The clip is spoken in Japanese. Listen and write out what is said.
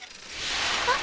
あっ！